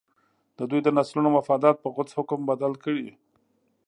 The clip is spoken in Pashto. د دوی د نسلونو مفادات په غوڅ حکم بدل کړي.